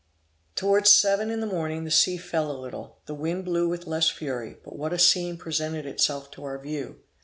Towards seven in the morning the sea fell a little, the wind blew with less fury; but what a scene presented itself to our view!